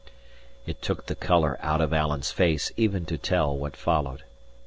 It took the colour out of Alan's face, even to tell what followed.